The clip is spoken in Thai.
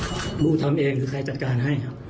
เราอันนี้นะมูลทำเองคือใครจัดการให้ครับ